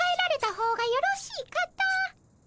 方がよろしいかと。